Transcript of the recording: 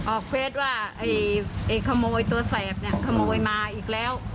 เฟสว่าไอ้ขโมยตัวแสบเนี่ยขโมยมาอีกแล้ว